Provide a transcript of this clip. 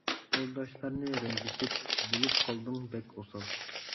تورداشلارنى رەنجىتىپ، بولۇپ قالدىڭ بەك ئوسال.